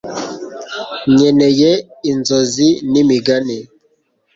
Nkeneye inzozi nimigani